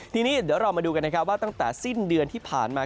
ทีนี้เดี๋ยวเรามาดูกันนะครับว่าตั้งแต่สิ้นเดือนที่ผ่านมา